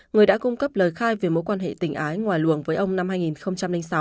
người đã cung cấp lời khai về mối quan hệ tình ái ngoài luồng với ông năm hai nghìn sáu